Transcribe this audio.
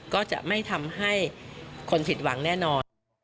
ก็จะไม่ทำให้คนผิดหวังแน่นอน